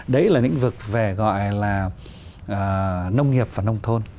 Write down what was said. đấy là lĩnh vực về gọi là nông nghiệp và nông thôn